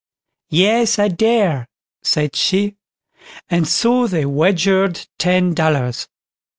"Yes I dare", said she; and so they wagered ten dollars.